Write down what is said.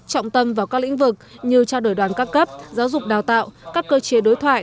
trọng tâm vào các lĩnh vực như trao đổi đoàn các cấp giáo dục đào tạo các cơ chế đối thoại